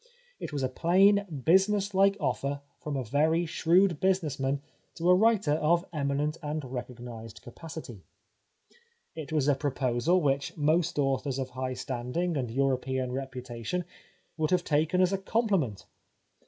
It was a plain, business like offer from a very shrewd business man to a writer of eminent and recognised capacity. It was a proposal which most authors of high standing and Euro pean reputation would have taken as a compli ment.